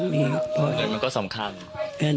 มันก็สำคัญ